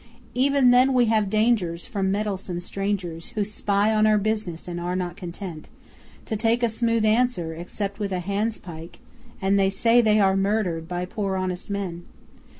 Even then we have dangers From meddlesome strangers, Who spy on our business and are not content To take a smooth answer, Except with a handspike... And they say they are murdered by poor honest men!